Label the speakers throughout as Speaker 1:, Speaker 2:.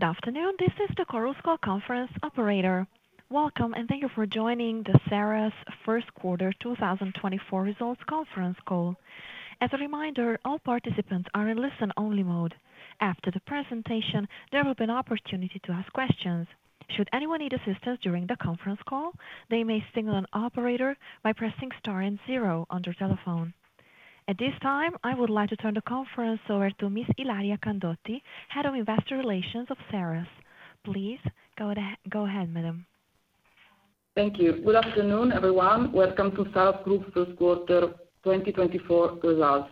Speaker 1: Good afternoon, this is the Chorus Call Conference Operator. Welcome, and thank you for joining the Saras First Quarter 2024 Results Conference call. As a reminder, all participants are in listen-only mode. After the presentation, there will be an opportunity to ask questions. Should anyone need assistance during the conference call, they may signal an operator by pressing star and zero on their telephone. At this time, I would like to turn the conference over to Ms. Ilaria Candotti, Head of Investor Relations of Saras. Please go ahead, go ahead, madam.
Speaker 2: Thank you. Good afternoon, everyone. Welcome to Saras Group First Quarter 2024 Results.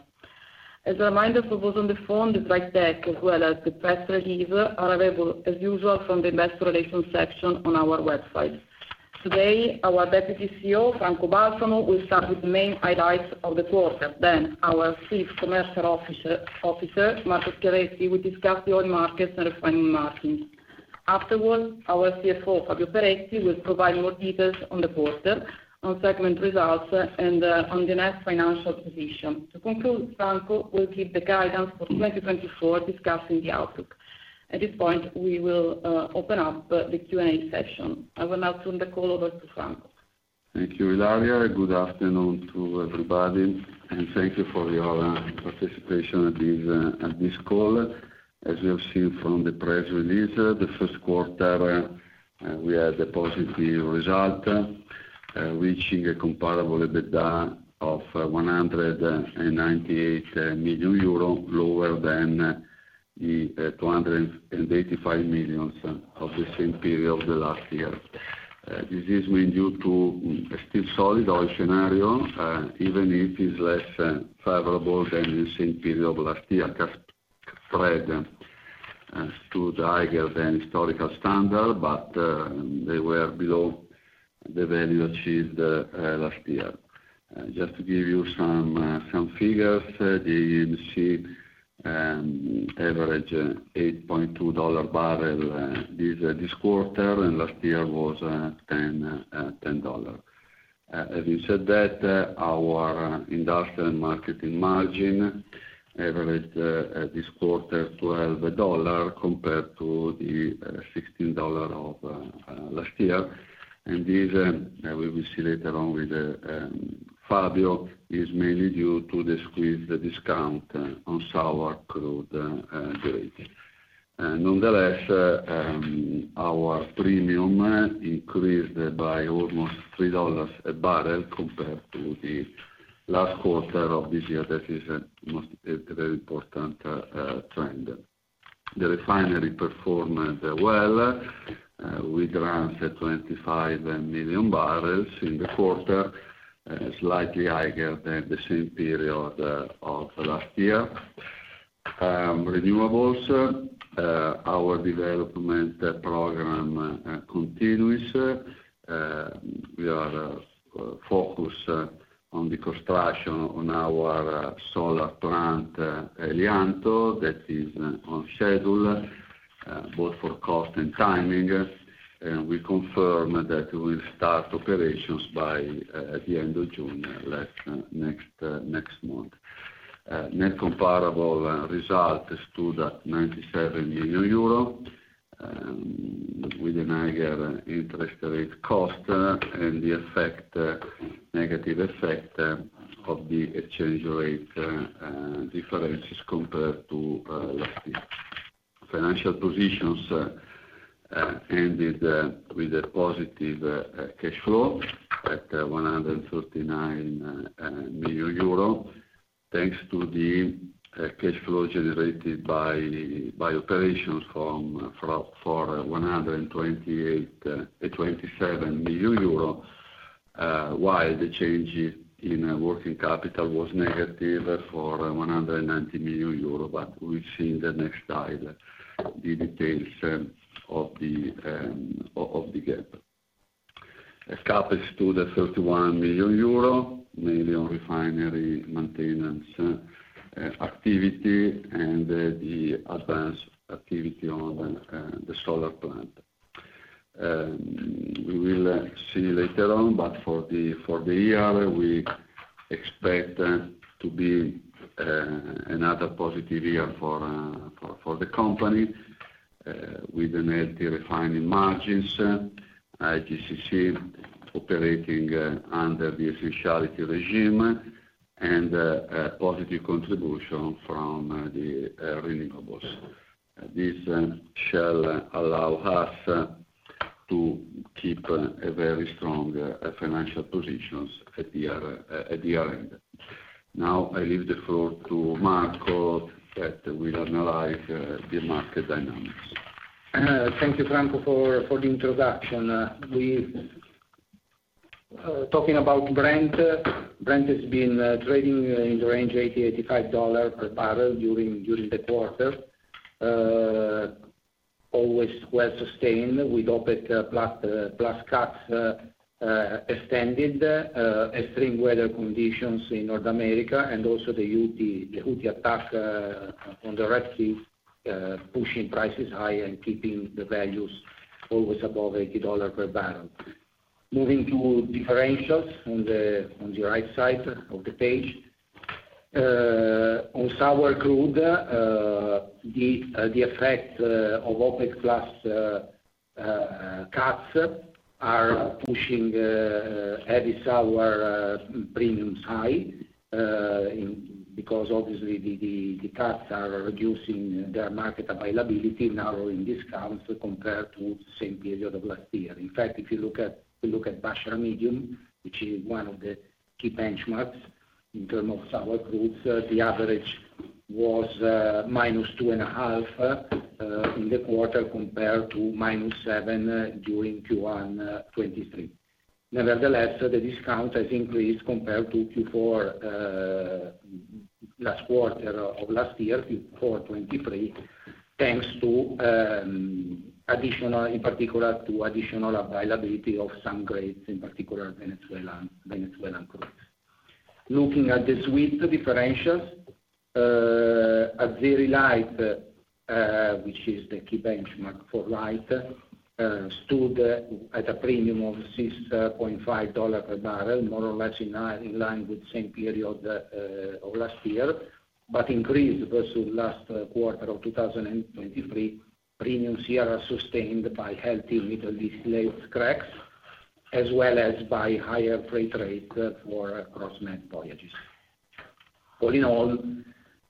Speaker 2: As a reminder, for those on the phone, the slide deck as well as the press release are available, as usual, from the Investor Relations section on our website. Today, our Deputy CEO, Franco Balsamo, will start with the main highlights of the quarter. Then, our Chief Commercial Officer, Marco Schiavetti, will discuss the oil markets and refining margins. Afterwards, our CFO, Fabio Peretti, will provide more details on the quarter, on segment results, and on the net financial position. To conclude, Franco will give the guidance for 2024, discussing the outlook. At this point, we will open up the Q&A session. I will now turn the call over to Franco.
Speaker 3: Thank you, Ilaria. Good afternoon to everybody, and thank you for your participation at this call. As we have seen from the press release, the first quarter, we had a positive result, reaching a comparable EBITDA of 198 million euro, lower than the 285 million of the same period of the last year. This is mainly due to a still solid oil scenario, even if it's less favorable than the same period of last year. Crack spread stood higher than historical standard, but they were below the value achieved last year. Just to give you some figures, the EMC averaged $8.2 barrel this quarter, and last year was $10. Having said that, our industrial marketing margin averaged this quarter $12 compared to the $16 of last year, and this, we will see later on with Fabio, is mainly due to the squeezed discount on sour crude grade. Nonetheless, our premium increased by almost $3 a barrel compared to the last quarter of this year. That is a very important trend. The refinery performed well. We granted 25 million barrels in the quarter, slightly higher than the same period of last year. Renewables, our development program continues. We are focused on the construction on our solar plant, Helianto. That is on schedule, both for cost and timing, and we confirm that we will start operations by the end of June, next month. Net comparable result stood at EUR 97 million, with a higher interest rate cost and the negative effect of the exchange rate differences compared to last year. Financial positions ended with a positive cash flow at 139 million euro, thanks to the cash flow generated by operations for 127 million euro, while the change in working capital was negative for 190 million euro. But we'll see in the next slide the details of the gap. CapEx stood at EUR 31 million, mainly on refinery maintenance activity and the advanced activity on the solar plant. We will see later on, but for the year, we expect to be another positive year for the company, with net refining margins, IGCC operating under the essentiality regime, and positive contribution from the renewables. This shall allow us to keep very strong financial positions at the year-end. Now, I leave the floor to Marco that will analyze the market dynamics.
Speaker 4: Thank you, Franco, for the introduction. Talking about Brent, Brent has been trading in the range $80-$85 per barrel during the quarter, always well sustained, with OPEC+ cuts extended, extreme weather conditions in North America, and also the Houthi attack on the Red Sea pushing prices higher and keeping the values always above $80 per barrel. Moving to differentials on the right side of the page. On sour crude, the effect of OPEC+ cuts are pushing heavy sour premiums high because, obviously, the cuts are reducing their market availability, narrowing discounts compared to the same period of last year. In fact, if you look at Basrah Medium, which is one of the key benchmarks in terms of sour crudes, the average was minus $2.5 in the quarter compared to $-7 during Q1 2023. Nevertheless, the discount has increased compared to Q4 last quarter of last year, Q4 2023, thanks to, in particular, to additional availability of some grades, in particular Venezuelan crude. Looking at the sweet differentials, Azeri Light, which is the key benchmark for light sweet, stood at a premium of $6.5 per barrel, more or less in line with the same period of last year, but increased versus last quarter of 2023. Premiums here are sustained by healthy Middle East OPEC cracks, as well as by higher freight rates for cross-net voyages. All in all,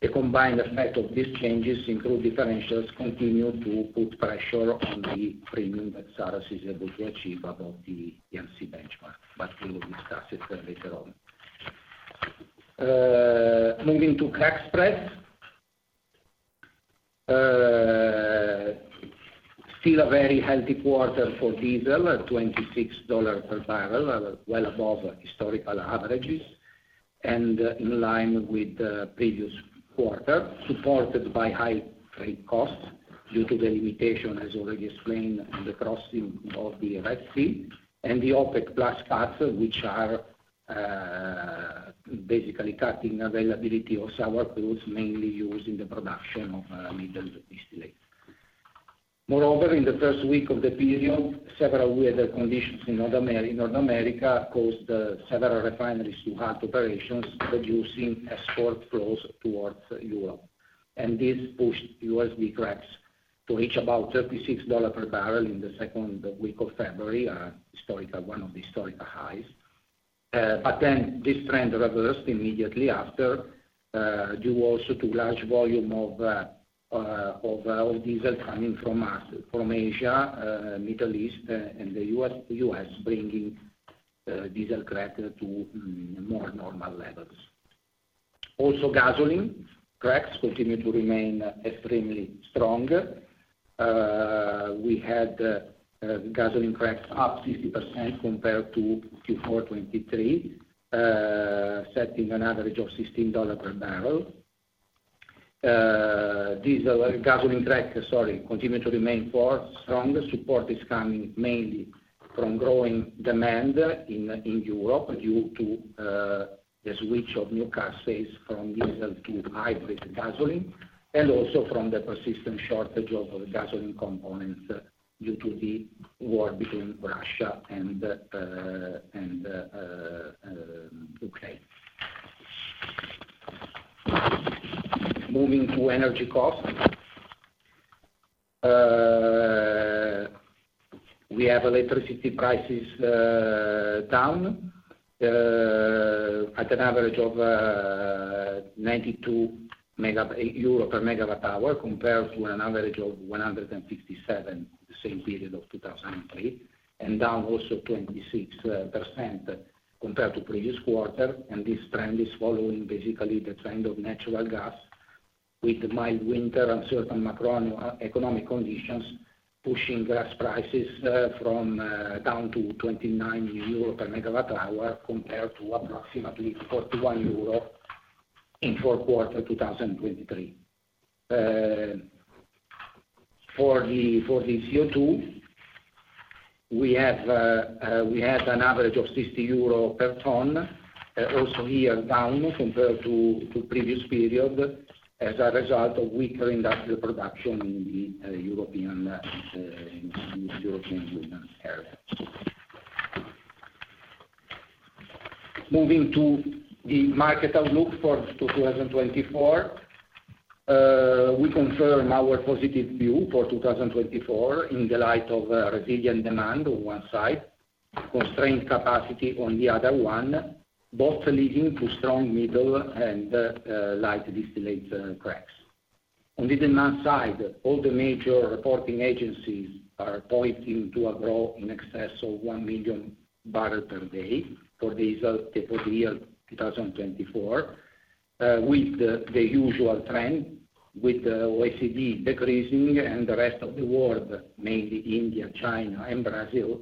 Speaker 4: the combined effect of these changes, including differentials, continues to put pressure on the premium that Saras is able to achieve above the EMC benchmark, but we will discuss it later on. Moving to crack spreads, still a very healthy quarter for diesel, $26 per barrel, well above historical averages and in line with the previous quarter, supported by high freight costs due to the limitation, as already explained, on the crossing of the Red Sea and the OPEC+ cuts, which are basically cutting availability of sour crudes mainly used in the production of Middle East distillates. Moreover, in the first week of the period, several weather conditions in North America caused several refineries to halt operations, reducing export flows towards Europe, and this pushed ULSD cracks to reach about $36 per barrel in the second week of February, one of the historical highs. But then this trend reversed immediately after due also to large volume of diesel coming from Asia, Middle East, and the U.S., bringing diesel cracks to more normal levels. Also, gasoline cracks continue to remain extremely strong. We had gasoline cracks up 60% compared to Q4 2023, setting an average of $16 per barrel. Diesel gasoline crack, sorry, continue to remain strong. Support is coming mainly from growing demand in Europe due to the switch of new car sales from diesel to hybrid gasoline and also from the persistent shortage of gasoline components due to the war between Russia and Ukraine. Moving to energy costs, we have electricity prices down at an average of 92 euro per MWh compared to an average of 157 the same period of 2023, and down also 26% compared to previous quarter. This trend is following, basically, the trend of natural gas, with mild winter and certain macroeconomic conditions pushing gas prices down to 29 euro per MWh compared to approximately 41 euro in fourth quarter 2023. For the CO2, we had an average of 60 euro per ton, also here down compared to previous period as a result of weaker industrial production in the European Union area. Moving to the market outlook for 2024, we confirm our positive view for 2024 in the light of resilient demand on one side, constrained capacity on the other one, both leading to strong middle and light distillate cracks. On the demand side, all the major reporting agencies are pointing to a growth in excess of 1 million barrels per day for the year 2024, with the usual trend, with OECD decreasing and the rest of the world, mainly India, China, and Brazil,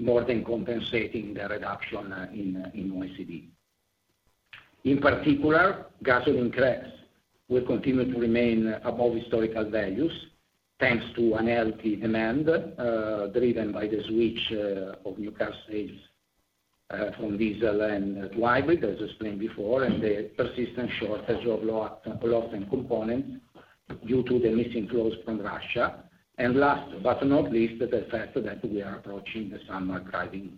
Speaker 4: more than compensating the reduction in OECD. In particular, gasoline cracks will continue to remain above historical values thanks to unhealthy demand driven by the switch of new car sales from diesel and hybrid, as explained before, and the persistent shortage of low-octane components due to the missing flows from Russia. And last but not least, the fact that we are approaching the summer driving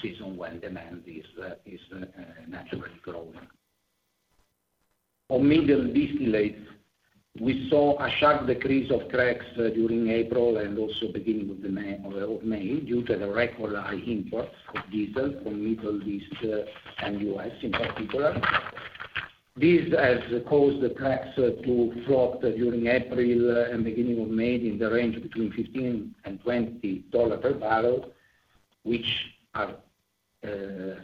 Speaker 4: season when demand is naturally growing. On middle distillates, we saw a sharp decrease of cracks during April and also beginning of May due to the record high imports of diesel from Middle East and U.S., in particular. This has caused the cracks to flop during April and beginning of May in the range between $15-$20 per barrel, which are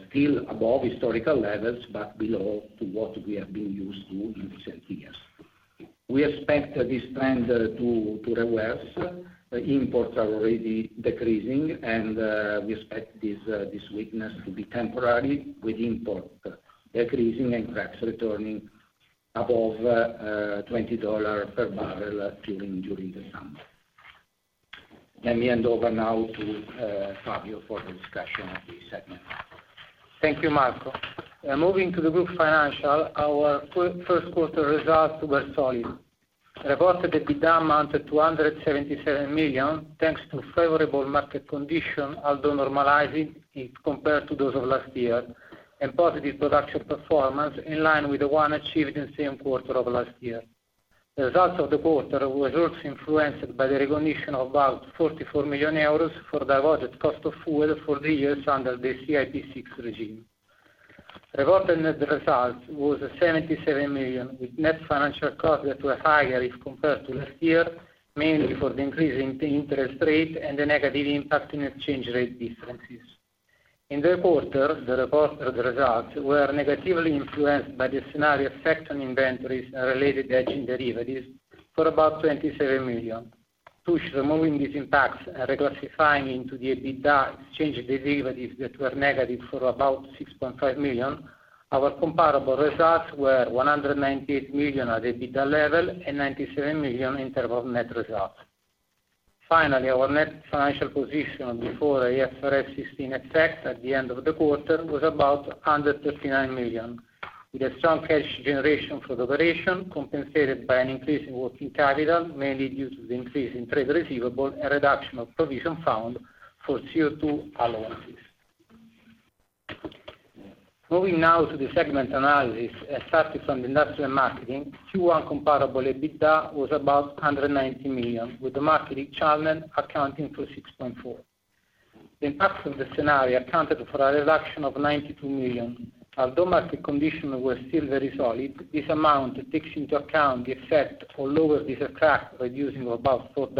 Speaker 4: still above historical levels but below what we have been used to in recent years. We expect this trend to reverse. Imports are already decreasing, and we expect this weakness to be temporary, with import decreasing and cracks returning above $20 per barrel during the summer. Let me hand over now to Fabio for the discussion of this segment.
Speaker 5: Thank you, Marco. Moving to the group financial, our first quarter results were solid. Reported EBITDA amounted to 177 million thanks to favorable market conditions, although normalizing compared to those of last year, and positive production performance in line with the one achieved in the same quarter of last year. The results of the quarter were also influenced by the recognition of about 44 million euros for diverted cost of fuel for the years under the CIP6 regime. Reported net results were 77 million, with net financial costs that were higher if compared to last year, mainly for the increase in interest rate and the negative impact on exchange rate differences. In the quarter, the reported results were negatively influenced by the scenario effect on inventories and related aging derivatives for about 27 million. Thus removing these impacts and reclassifying into the EBITDA exchange derivatives that were negative for about 6.5 million, our comparable results were 198 million at EBITDA level and 97 million in terms of net results. Finally, our net financial position before IFRS 16 effect at the end of the quarter was about 139 million, with a strong cash generation for the operation compensated by an increase in working capital, mainly due to the increase in trade receivable and reduction of provision found for CO2 allowances. Moving now to the segment analysis, starting from the Refining and Marketing, Q1 comparable EBITDA was about 190 million, with the market challenge accounting for 6.4 million. The impacts of the scenario accounted for a reduction of 92 million. Although market conditions were still very solid, this amount takes into account the effect of lower diesel cracks reducing about $4,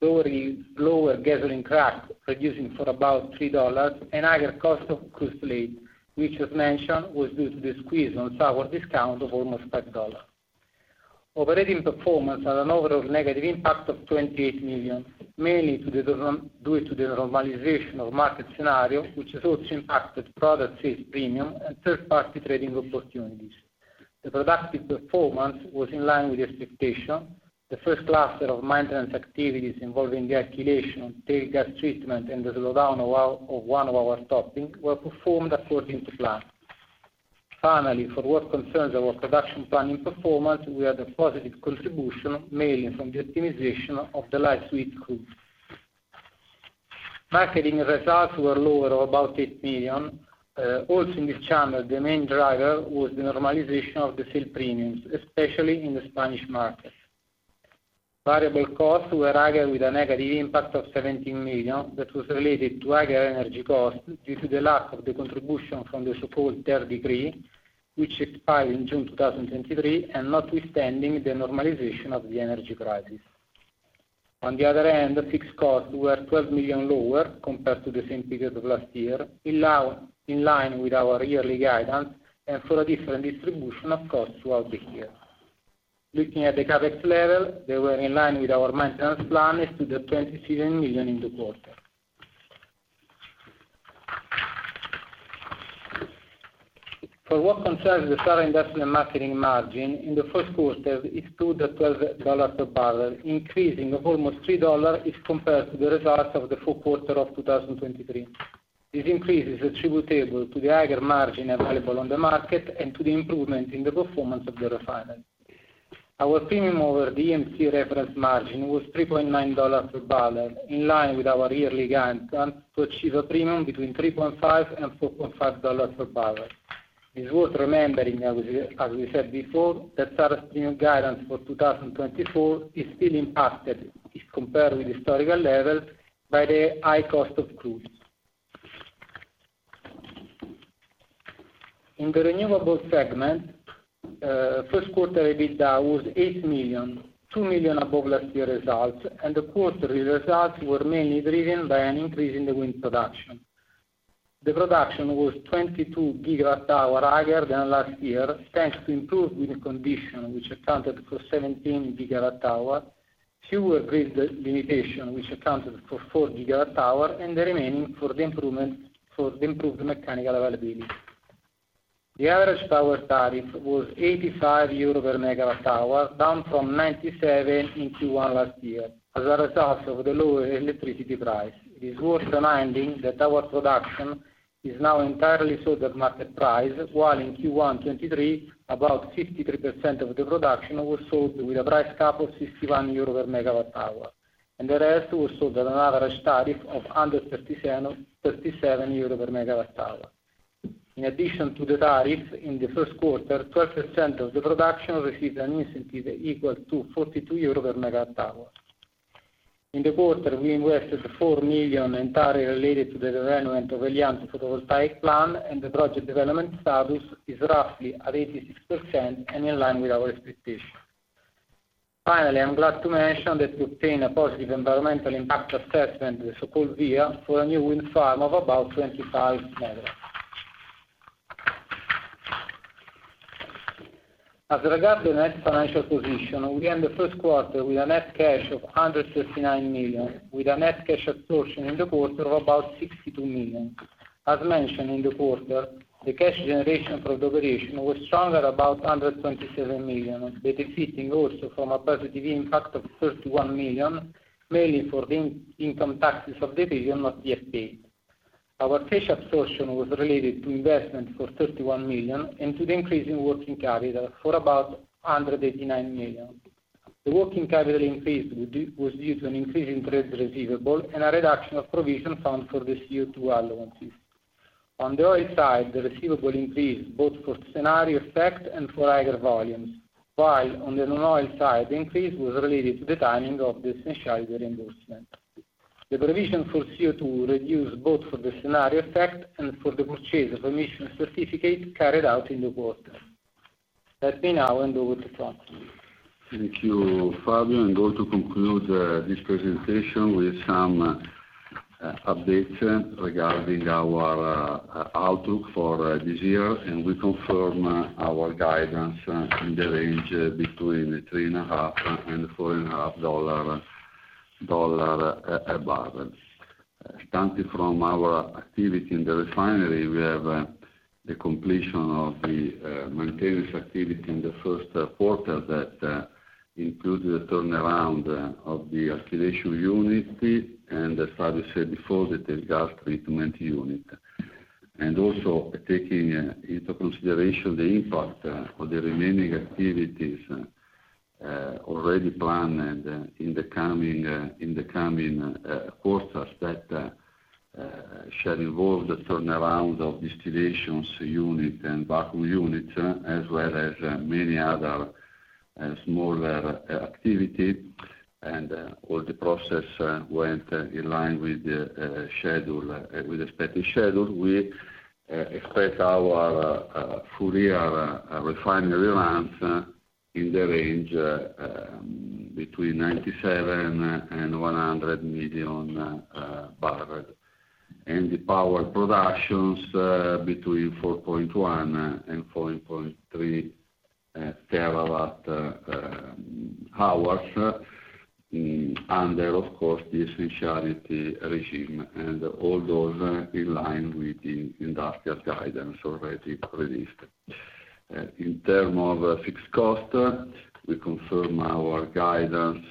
Speaker 5: lower gasoline cracks reducing for about $3, and higher cost of crude slate, which, as mentioned, was due to the squeeze on sour discount of almost $5. Operating performance had an overall negative impact of 28 million, mainly due to the normalization of market scenario, which has also impacted product sales premium and third-party trading opportunities. The productive performance was in line with expectation. The first cluster of maintenance activities involving the alkylation, tail gas treatment, and the slowdown of one of our topping were performed according to plan. Finally, for what concerns our production planning performance, we had a positive contribution, mainly from the optimization of the light sweet crude. Marketing results were lower of about 8 million. Also, in this channel, the main driver was the normalization of the sale premiums, especially in the Spanish market. Variable costs were higher, with a negative impact of 17 million that was related to higher energy costs due to the lack of the contribution from the so-called Third Decree, which expired in June 2023 and notwithstanding the normalization of the energy crisis. On the other hand, fixed costs were 12 million lower compared to the same period of last year, in line with our yearly guidance and for a different distribution of costs throughout the year. Looking at the CapEx level, they were in line with our maintenance plan as to the 27 million in the quarter. For what concerns the Saras Industrial Marketing margin, in the first quarter, it stood at $12 per barrel, increasing of almost $3 if compared to the results of the fourth quarter of 2023. This increase is attributable to the higher margin available on the market and to the improvement in the performance of the refineries. Our premium over the EMC reference margin was $3.9 per barrel, in line with our yearly guidance to achieve a premium between $3.5 and $4.5 per barrel. It's worth remembering, as we said before, that Saras' premium guidance for 2024 is still impacted if compared with historical levels by the high cost of crude. In the renewable segment, first quarter EBITDA was 8 million, 2 million above last year's results, and the quarterly results were mainly driven by an increase in the wind production. The production was 22 GWh higher than last year thanks to improved wind conditions, which accounted for 17 GWh, fewer grid limitations, which accounted for 4 GWh, and the remaining for the improved mechanical availability. The average power tariff was 85 euro per megawatt-hour, down from 97 in Q1 2023 as a result of the lower electricity price. It is worth reminding that our production is now entirely sold at market price, while in Q1 2023, about 53% of the production was sold with a price cap of 61 euro per MWh, and the rest was sold at an average tariff of 137 euro per megawatt-hour. In addition to the tariff, in the first quarter, 12% of the production received an incentive equal to 42 euro per MWh. In the quarter, we invested 4 million entirely related to the development of a Helianto photovoltaic plant, and the project development status is roughly at 86% and in line with our expectations. Finally, I'm glad to mention that we obtained a positive environmental impact assessment, the so-called VIA, for a new wind farm of about 25 MW. As regards net financial position, we end the first quarter with a net cash of 139 million, with a net cash absorption in the quarter of about 62 million. As mentioned in the quarter, the cash generation from the operation was strong at about 127 million, benefiting also from a positive impact of 31 million, mainly for the income taxes of the region, not GST. Our cash absorption was related to investment for 31 million and to the increase in working capital for about 189 million. The working capital increase was due to an increase in trade receivable and a reduction of provision found for the CO2 allowances. On the oil side, the receivable increased both for scenario effect and for higher volumes, while on the non-oil side, the increase was related to the timing of the essentiality reimbursement. The provision for CO2 reduced both for the scenario effect and for the purchase of emission certificate carried out in the quarter. Let me now hand over to Franco.
Speaker 3: Thank you, Fabio. I'm going to conclude this presentation with some updates regarding our outlook for this year, and we confirm our guidance in the range between $3.5 and $4.5 a barrel. Starting from our activity in the refinery, we have the completion of the maintenance activity in the first quarter that included a turnaround of the alkylation unit and, as Fabio said before, the tail gas treatment unit, and also taking into consideration the impact of the remaining activities already planned in the coming quarters that shall involve the turnaround of distillation unit and vacuum units, as well as many other smaller activities. All the process went in line with the expected schedule. We expect our full-year refinery runs in the range between 97-100 million barrels, and the power productions between 4.1-4.3 TWh under, of course, the Essentiality Regime, and all those in line with the industrial guidance already released. In terms of fixed costs, we confirm our guidance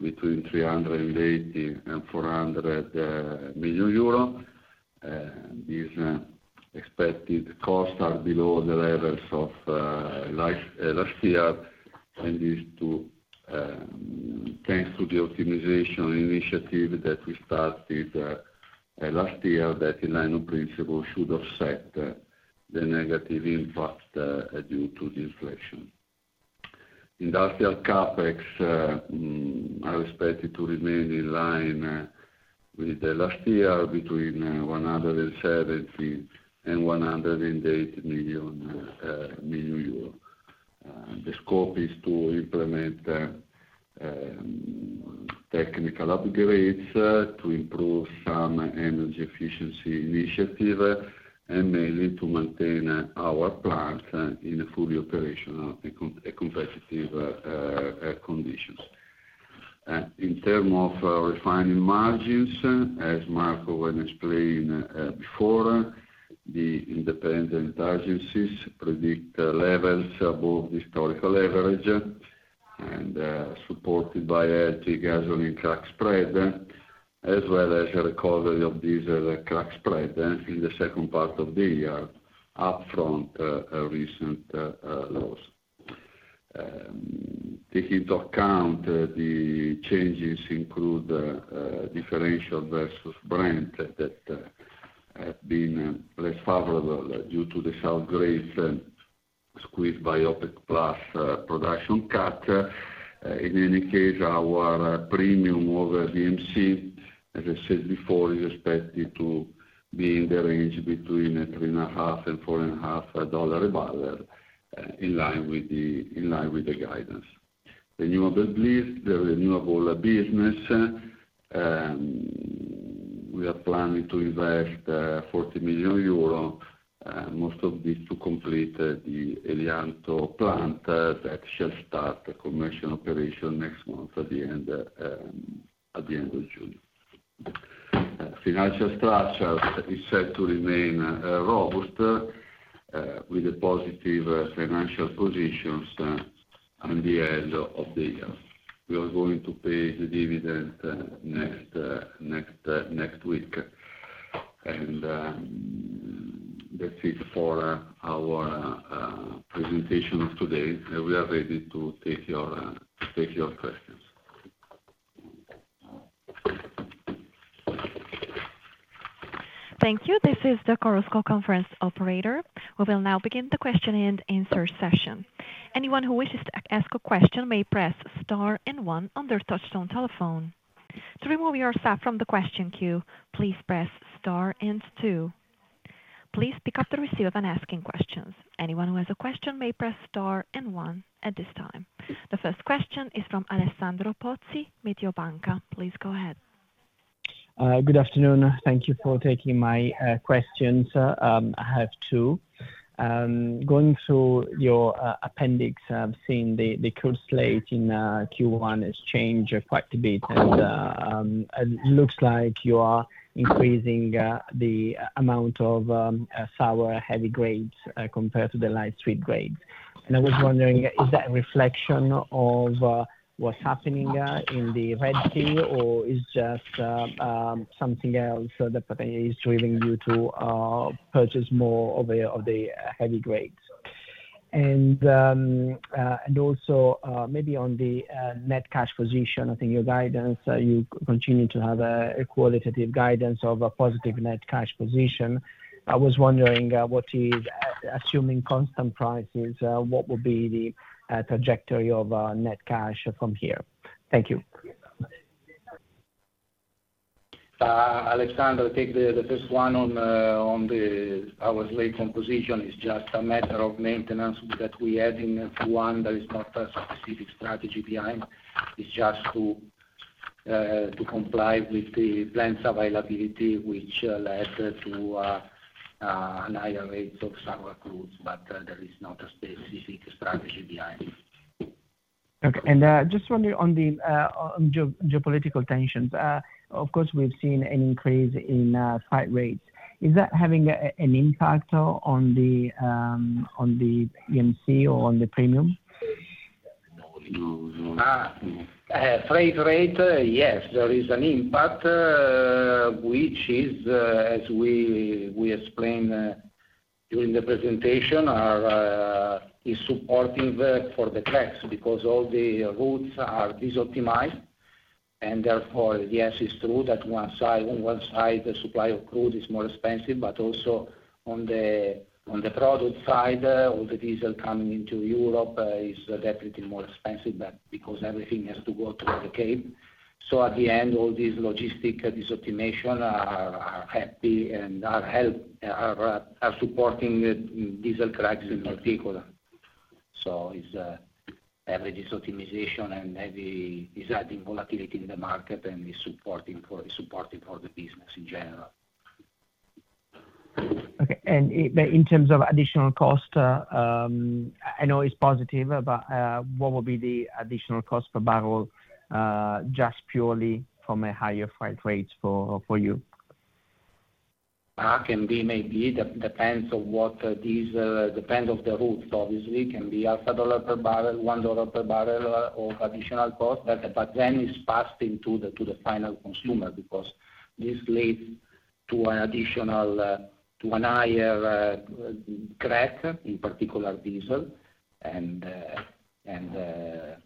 Speaker 3: between 380-400 million euro. These expected costs are below the levels of last year, and this is thanks to the optimization initiative that we started last year that, in principle, should have set the negative impact due to the inflation. Industrial CapEx are expected to remain in line with last year, between 170-180 million euros. The scope is to implement technical upgrades to improve some energy efficiency initiatives and mainly to maintain our plants in fully operational and competitive conditions. In terms of refining margins, as Marco went explaining before, the independent agencies predict levels above the historical average and supported by LT gasoline crack spread, as well as a recovery of diesel crack spread in the second part of the year, upfront recent loss. Taking into account, the changes include differential versus Brent that have been less favorable due to the Red Sea squeeze by OPEC+ production cut. In any case, our premium over the EMC, as I said before, is expected to be in the range between $3.5-$4.5 a barrel, in line with the guidance. The renewable business, we are planning to invest 40 million euro, most of this to complete the Helianto plant that shall start commercial operation next month, at the end of June. Financial structure is set to remain robust with a positive financial position at the end of the year. We are going to pay the dividend next week, and that's it for our presentation of today. We are ready to take your questions.
Speaker 1: Thank you. This is the Saras conference operator. We will now begin the question and answer session. Anyone who wishes to ask a question may press star and one on their touch-tone telephone. To remove yourself from the question queue, please press star and two. Please pick up the receiver when asking questions. Anyone who has a question may press star and one at this time. The first question is from Alessandro Pozzi, Mediobanca. Please go ahead.
Speaker 6: Good afternoon. Thank you for taking my questions. I have two. Going through your appendix, I've seen the crude slate in Q1 has changed quite a bit, and it looks like you are increasing the amount of sour heavy grades compared to the Light Sweet grades. And I was wondering, is that a reflection of what's happening in the Red Sea, or is it just something else that potentially is driving you to purchase more of the heavy grades? And also, maybe on the net cash position, I think your guidance, you continue to have a qualitative guidance of a positive net cash position. I was wondering, assuming constant prices, what will be the trajectory of net cash from here? Thank you.
Speaker 5: Alessandro, take the first one on the oil slate composition. It's just a matter of maintenance that we add in Q1. There is not a specific strategy behind. It's just to comply with the plants' availability, which led to a higher rate of sour crudes, but there is not a specific strategy behind it.
Speaker 6: Okay. Just wondering on the geopolitical tensions. Of course, we've seen an increase in flight rates. Is that having an impact on the EMC or on the premium?
Speaker 5: Freight rate, yes, there is an impact, which is, as we explained during the presentation, is supportive for the cracks because all the routes are disoptimized. And therefore, yes, it's true that on one side, the supply of crude is more expensive, but also on the product side, all the diesel coming into Europe is definitely more expensive because everything has to go through the Cape. So at the end, all these logistical disoptimizations are helpful and are supporting diesel cracks in particular. So every disoptimization is adding volatility in the market, and it's supportive for the business in general.
Speaker 6: Okay. In terms of additional cost, I know it's positive, but what will be the additional cost per barrel just purely from a higher freight rates for you?
Speaker 5: It may be. It depends on what diesel depends on the routes, obviously. It can be $1 per barrel, $1 per barrel, or additional cost, but then it's passed into the final consumer because this leads to an additional to an higher crack, in particular diesel, and then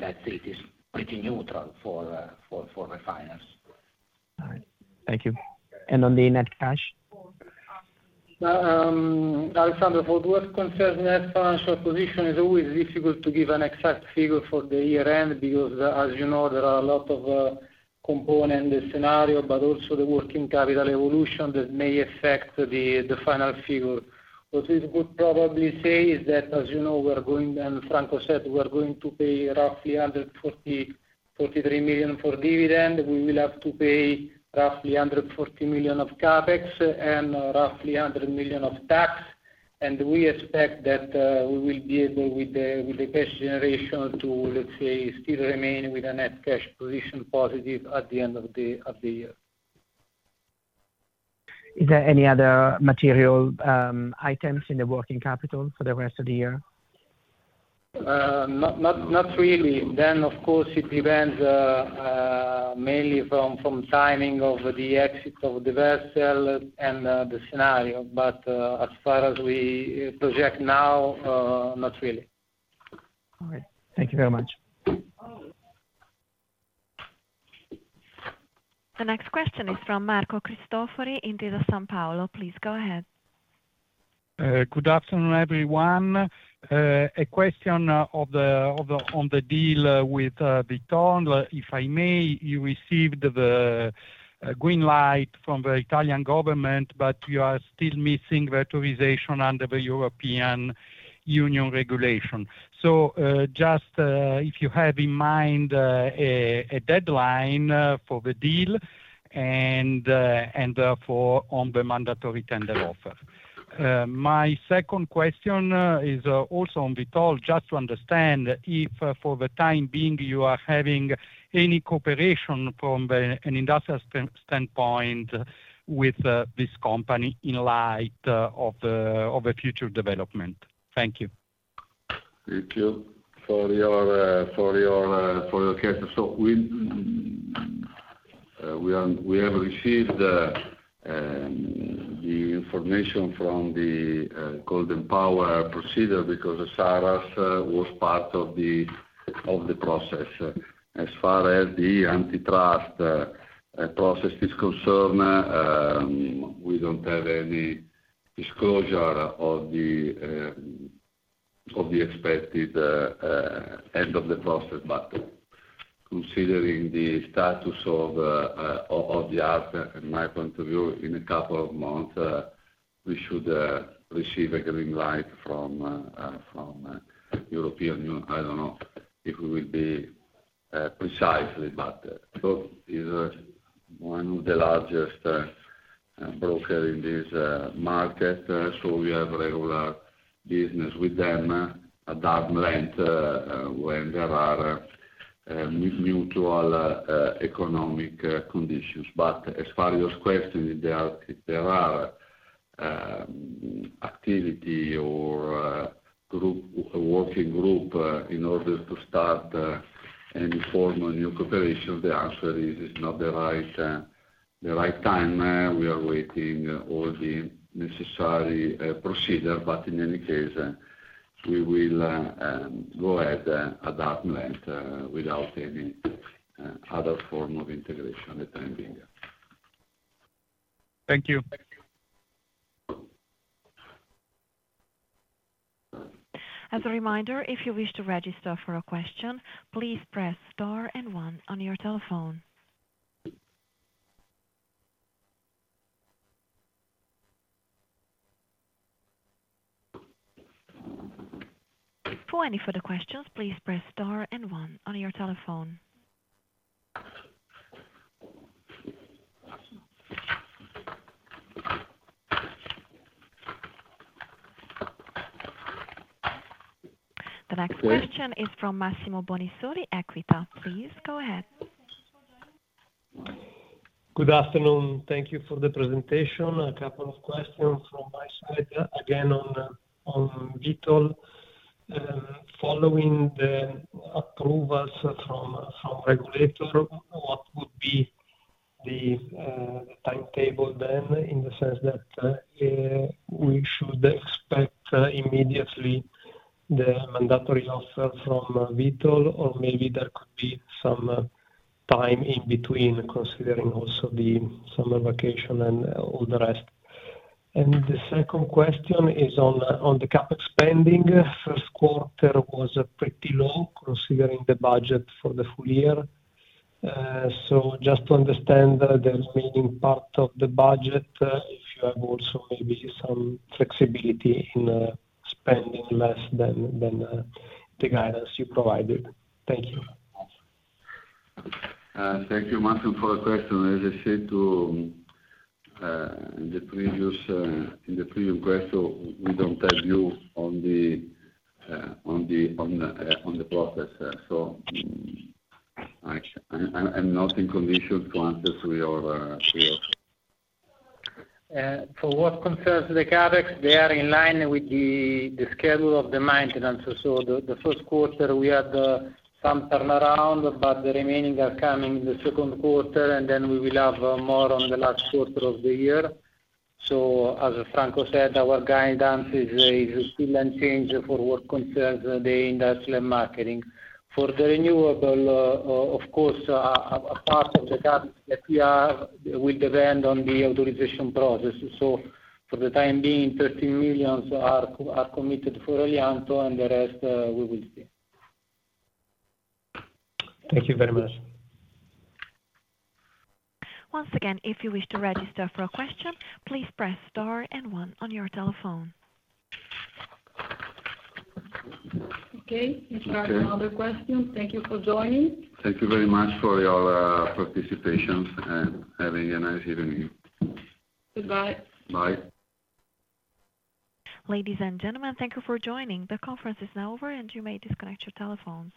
Speaker 5: that's it. It's pretty neutral for refiners.
Speaker 6: All right. Thank you. And on the net cash?
Speaker 5: Alexander, for what concerns net financial position, it's always difficult to give an exact figure for the year-end because, as you know, there are a lot of component scenarios, but also the working capital evolution that may affect the final figure. What we could probably say is that, as you know, we're going and Franco said we're going to pay roughly 143 million for dividend. We will have to pay roughly 140 million of CapEx and roughly 100 million of tax. And we expect that we will be able, with the cash generation, to, let's say, still remain with a net cash position positive at the end of the year.
Speaker 6: Is there any other material items in the working capital for the rest of the year?
Speaker 5: Not really. Then, of course, it depends mainly from timing of the exit of the vessel and the scenario. But as far as we project now, not really.
Speaker 6: All right. Thank you very much.
Speaker 1: The next question is from Marco Cristofori in Intesa Sanpaolo. Please go ahead.
Speaker 7: Good afternoon, everyone. A question on the deal with Vitol. If I may, you received the green light from the Italian government, but you are still missing the authorization under the European Union regulation. So just if you have in mind a deadline for the deal and therefore on the mandatory tender offer. My second question is also on Vitol, just to understand if, for the time being, you are having any cooperation from an industrial standpoint with this company in light of the future development. Thank you.
Speaker 3: Thank you for your answer. So we have received the information from the Golden Power procedure because Saras was part of the process. As far as the antitrust process is concerned, we don't have any disclosure of the expected end of the process. But considering the state of the art, in my point of view, in a couple of months, we should receive a green light from European Union. I don't know if we will be precisely, but. Europe is one of the largest brokers in this market, so we have regular business with them at that length when there are mutual economic conditions. But as far as your question, if there are activity or working group in order to start any form of new cooperation, the answer is it's not the right time. We are waiting all the necessary procedures, but in any case, we will go ahead at that length without any other form of integration at the time being.
Speaker 7: Thank you.
Speaker 1: As a reminder, if you wish to register for a question, please press star and one on your telephone. For any further questions, please press star and one on your telephone. The next question is from Massimo Bonisoli, Equita. Please go ahead.
Speaker 8: Good afternoon. Thank you for the presentation. A couple of questions from my side. Again, on Vitol, following the approvals from regulator, what would be the timetable then in the sense that we should expect immediately the mandatory offer from Vitol, or maybe there could be some time in between considering also the summer vacation and all the rest? And the second question is on the CapEx spending. First quarter was pretty low considering the budget for the full year. So just to understand the remaining part of the budget, if you have also maybe some flexibility in spending less than the guidance you provided. Thank you.
Speaker 3: Thank you, Martin, for the question. As I said in the previous question, we don't have view on the process, so I'm not in condition to answer to your question.
Speaker 5: For what concerns the CapEx, they are in line with the schedule of the maintenance. So the first quarter, we had some turnaround, but the remaining are coming in the second quarter, and then we will have more on the last quarter of the year. So as Franco said, our guidance is still unchanged for what concerns the industrial marketing. For the renewable, of course, a part of the CapEx that we have will depend on the authorization process. So for the time being, 13 million are committed for Helianto, and the rest we will see.
Speaker 8: Thank you very much.
Speaker 1: Once again, if you wish to register for a question, please press star and one on your telephone.
Speaker 2: Okay. If you have another question, thank you for joining.
Speaker 3: Thank you very much for your participation and having a nice evening.
Speaker 9: Goodbye.
Speaker 3: Bye.
Speaker 1: Ladies and gentlemen, thank you for joining. The conference is now over, and you may disconnect your telephones.